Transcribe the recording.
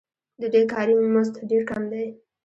د دوی کاري مزد ډېر کم دی